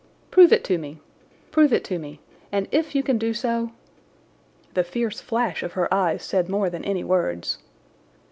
"Prove it to me! Prove it to me! And if you can do so—!" The fierce flash of her eyes said more than any words.